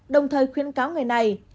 đồng thời khuyến cáo người này